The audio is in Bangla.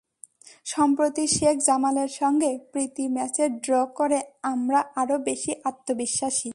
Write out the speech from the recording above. সম্প্রতি শেখ জামালের সঙ্গে প্রীতি ম্যাচে ড্র করে আমরা আরও বেশি আত্মবিশ্বাসী।